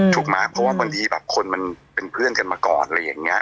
ถูกไหมเพราะว่าบางทีแบบคนมันเป็นเพื่อนกันมาก่อนอะไรอย่างนี้